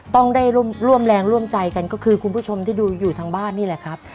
ต้องได้ร่วมแรงร่วมใจกันก็คือคุณผู้ชมที่ดูอยู่ทางบ้านนี่แหละครับ